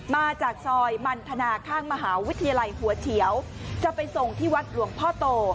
มาจากซอยมันธนาข้างมหาวิทยาลัยหัวเฉียวจะไปส่งที่วัดหลวงพ่อโต